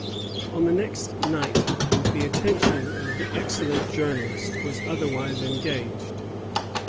On the next night the attention of the excellent journalist was otherwise engaged.